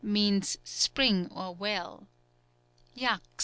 _ Means "spring or well." 10th.